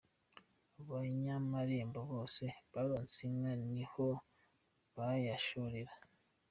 Abanyamarembo bose baronse inka ni ho bayashorera.